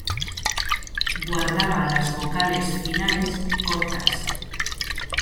Guardaba las vocales finales cortas.